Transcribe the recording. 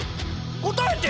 答えて！